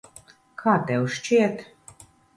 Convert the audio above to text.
Kā tev šķiet?